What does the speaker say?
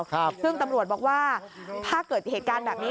ซึ่งตำรวจบอกว่าถ้าเกิดเหตุการณ์แบบนี้